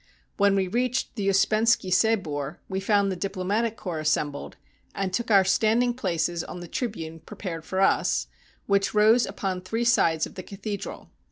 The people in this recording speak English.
When we reached the Uspenski Sabor, we found the diplomatic corps assembled, and took our standing places on the tribune prepared for us, which rose upon three sides of the cathedral.